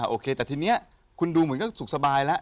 โอเคแต่ทีนี้คุณดูเหมือนก็สุขสบายแล้ว